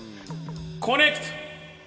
・コネクト！